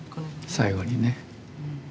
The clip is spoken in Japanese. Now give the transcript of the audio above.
最後にね。